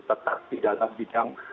tetap di dalam bidang